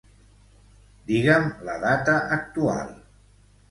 Digue'm la data actual.